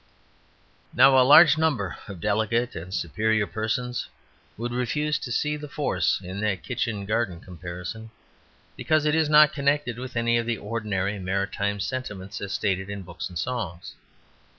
Now, a large number of delicate and superior persons would refuse to see the force in that kitchen garden comparison, because it is not connected with any of the ordinary maritime sentiments as stated in books and songs.